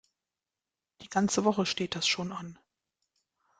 Die ganze Woche steht das schon an.